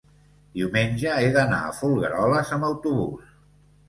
diumenge he d'anar a Folgueroles amb autobús.